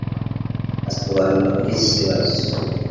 asobanura kuri iki kibazo,